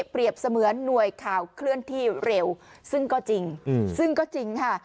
เสมือนหน่วยข่าวเคลื่อนที่เร็วซึ่งก็จริงซึ่งก็จริงค่ะ